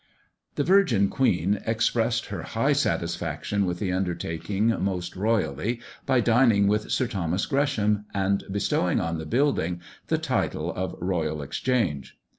The virgin Queen expressed her high satisfaction with the undertaking most royally, by dining with Sir Thomas Gresham, and bestowing on the building the title of "Royal Exchange."